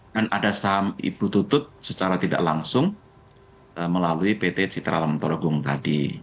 dan ada saham ibu tutut secara tidak langsung melalui pt citralam turgung tadi